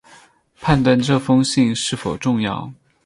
判断这封信是否重要